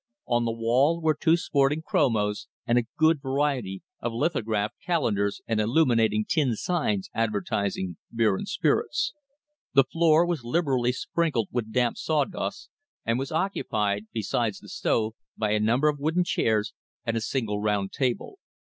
On the wall were two sporting chromos, and a good variety of lithographed calendars and illuminated tin signs advertising beers and spirits. The floor was liberally sprinkled with damp sawdust, and was occupied, besides the stove, by a number of wooden chairs and a single round table.